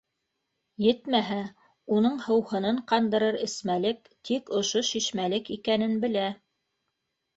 Етмәһә, уның һыуһынын ҡандырыр эсмәлек тик ошо шишмәлек икәнен белә.